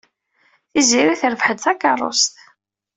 Tiziri terbeḥ-d takeṛṛust.